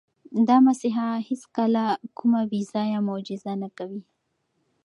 دا مسیحا هیڅکله کومه بې ځایه معجزه نه کوي.